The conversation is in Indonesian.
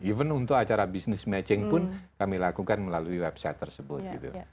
even untuk acara business matching pun kami lakukan melalui website tersebut gitu